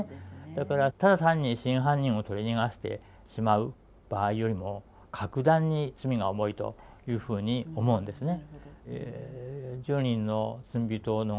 だからただ単に真犯人を取り逃がしてしまう場合よりも格段に罪が重いというふうに思うんですね。